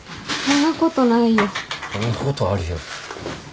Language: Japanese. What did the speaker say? そんなことあるよ。